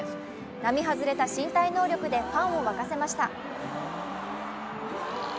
並外れた身体能力でファンを沸かせました。